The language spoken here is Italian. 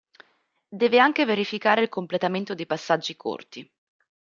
Deve anche verificare il completamento dei passaggi corti.